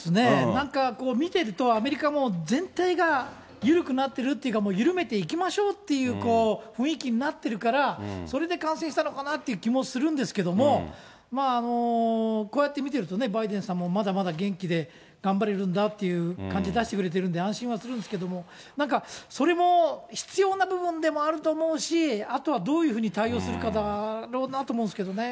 なんか見てると、アメリカもう全体が緩くなってるっていうか、緩めていきましょうという雰囲気になってるから、それで感染したのかなっていう気もするんですけれども、こうやって見てるとね、バイデンさんもまだまだ元気で頑張れるんだという感じ出してくれてるんで、安心はするんですけれども、なんかそれも必要な部分でもあると思うし、あとはどういうふうに対応するかだろうなと思うんですけどね。